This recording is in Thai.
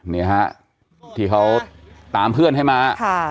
นี่ฮะที่เขาตามเพื่อนให้มา